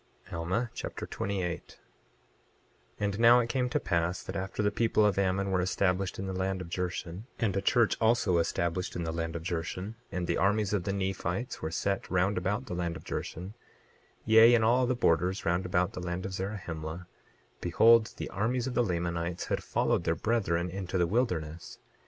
Alma Chapter 28 28:1 And now it came to pass that after the people of Ammon were established in the land of Jershon, and a church also established in the land of Jershon, and the armies of the Nephites were set round about the land of Jershon, yea, in all the borders round about the land of Zarahemla; behold the armies of the Lamanites had followed their brethren into the wilderness.